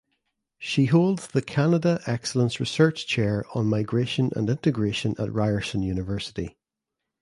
She holds the Canada Excellence Research Chair on Migration and Integration at Ryerson University.